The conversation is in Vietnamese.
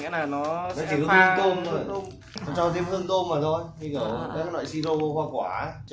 nghĩa là nó sẽ pha